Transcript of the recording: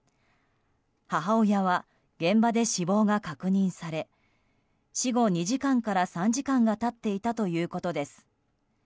母親は、現場で死亡が確認され死後２時間から３時間が経っていたということです。